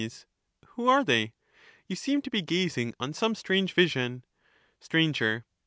Who are they ? You seem to be gazing on some shapes, strange vision. Str.